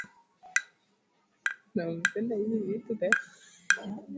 walitawala hapa Nchi ya kihistoria ya Waturuki